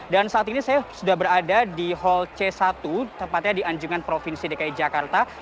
dan saat ini saya sudah berada di hall c satu tempatnya di anjungan provinsi dki jakarta